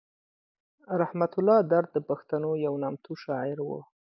رحمت الله درد د پښتنو یو نامتو شاعر و.